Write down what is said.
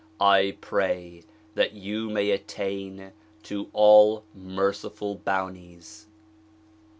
I pray that you may attain to all merciful bounties.